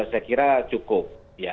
saya kira cukup